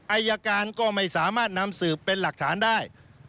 อายการก็ไม่สามารถนำสืบเป็นหลักฐานได้